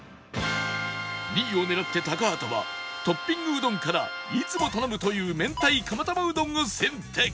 ２位を狙って高畑はトッピングうどんからいつも頼むという明太釜玉うどんを選択